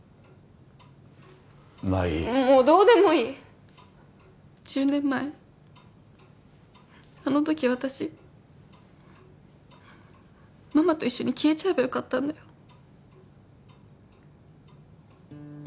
麻衣もうどうでもいい１０年前あの時私ママと一緒に消えちゃえばよかったんだよ